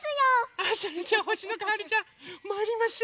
あそれじゃあほしのこはるちゃんまいりましょう。